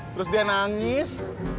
terus dia nangis